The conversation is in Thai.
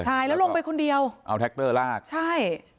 ใช่แล้วลงไปคนเดียวเอาแท็กเตอร์ลากใช่